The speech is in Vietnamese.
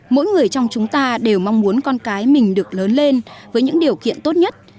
mỗi người trong chúng ta đều mong muốn con cái mình được lớn lên với những điều kiện tốt nhất